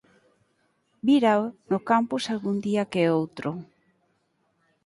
Vírao no campus algún día que outro.